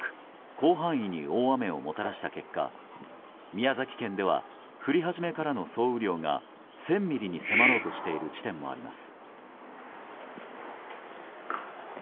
広範囲に大雨をもたらした結果宮崎県では降り始めからの総雨量が１０００ミリに迫ろうとしている地点もあります。